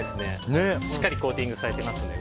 しっかりコーティングされてます。